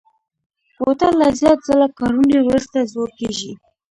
بوتل له زیات ځله کارونې وروسته زوړ کېږي.